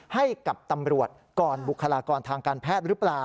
ให้กับตำรวจก่อนบุคลากรทางการแพทย์หรือเปล่า